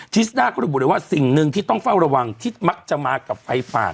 จิศนาเขาบูรณ์ด้วยว่าสิ่งหนึ่งที่ต้องเฝ้าระวังที่มักจะมากับไฟฝาก